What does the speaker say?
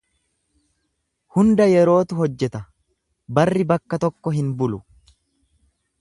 Hunda yerootu hojjeta barri bakka tokko hin bulu.